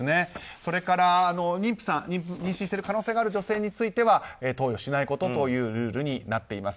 それから妊娠している可能性がある女性については投与しないことというルールになっています。